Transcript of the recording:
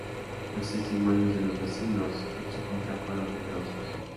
Los testimonios de los vecinos en su contra fueron numerosos.